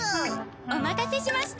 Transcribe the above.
お待たせしました。